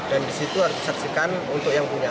dan disitu harus disaksikan untuk yang punya